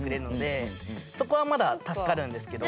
そこはまだ助かるんですけど。